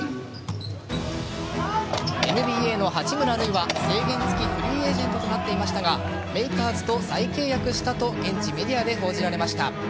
ＮＢＡの八村塁は制限付きフリーエージェントとなっていましたがレイカーズと再契約したと現地メディアで報じられました。